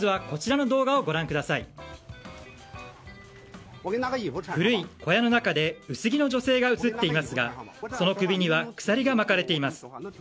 古い小屋の中で薄着の女性が映っていますがその首には鎖がまかれています。